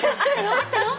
あったの？